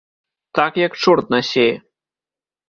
Так як чорт насее!